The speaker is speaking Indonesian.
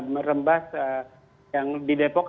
merembas yang di depok